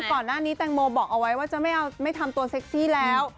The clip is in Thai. ก่อนหน้านี้แตงโมบอกเอาไว้ว่าจะไม่ทำตัวเซ็กซี่แล้ว